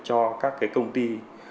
cho các cái công ty